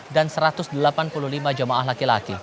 dan satu ratus delapan puluh lima jamaah laki laki